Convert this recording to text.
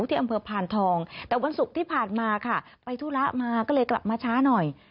ที่อำเภอพานทองแต่วันศุกร์ที่ผ่านมาค่ะไปธุระมาก็เลยกลับมาช้าหน่อย